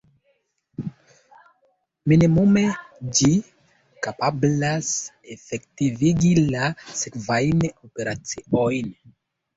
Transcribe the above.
Minimume ĝi kapablas efektivigi la sekvajn operaciojn.